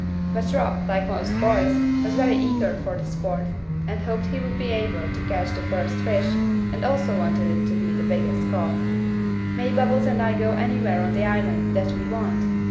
But Rock, like most boys, was very eager for the sport, and hoped he would be able to catch the first fish, and also wanted it to be the biggest caught. "May Bubbles and I go anywhere on the island that we want?"